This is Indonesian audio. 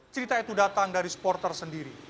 cerita itu datang dari supporter sendiri